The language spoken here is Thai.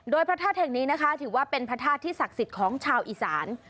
โดยพระธาตุแห่งนี้นะคะถือว่าเป็นพระธาตุที่ศักดิ์สิทธิ์ของชาวอีสาน